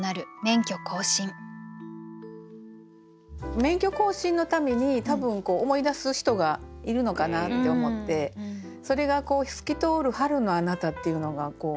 免許更新の度に多分思い出す人がいるのかなって思ってそれが「透きとおる春のあなた」っていうのがはかなくて。